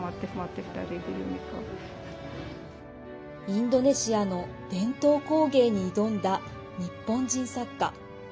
インドネシアの伝統工芸に挑んだ日本人作家。